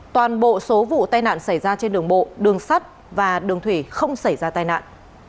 toàn bộ số vụ tai nạn xảy ra trên đường bộ đường sắt và đường thủy không xảy ra tai nạn